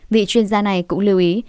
vị chuyên gia này cũng lưu ý